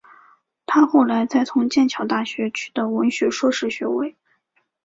她后来再从剑桥大学取得文学硕士学位。